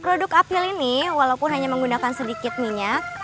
produk apil ini walaupun hanya menggunakan sedikit minyak